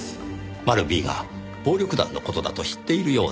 マルＢが暴力団の事だと知っているようでした。